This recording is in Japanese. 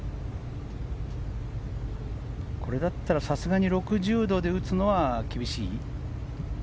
これだったら、さすがに６０度で打つのは厳しい？